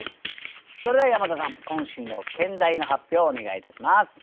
それでは山田さん今週の兼題の発表お願いいたします。